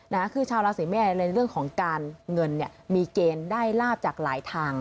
เพราะล้าวสิใส่แม่ในเรื่องของการเงินเนี้ยมีเกณฑ์ได้ราบจากหลายทาง